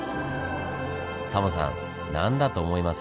タモさん何だと思います？